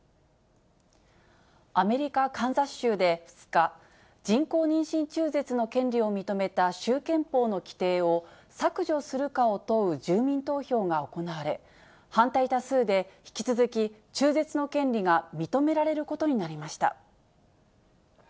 アメリカ・カンザス州で２日、人工妊娠中絶の権利を認めた州憲法の規定を削除するかを問う住民投票が行われ、反対多数で引き続き中絶の権利が認められることになりました。